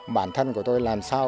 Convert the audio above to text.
bản thân của tôi làm sao